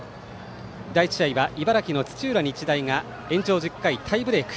第１試合は茨城の土浦日大が延長１０回タイブレーク。